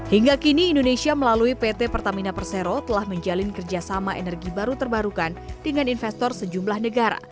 hingga kini indonesia melalui pt pertamina persero telah menjalin kerjasama energi baru terbarukan dengan investor sejumlah negara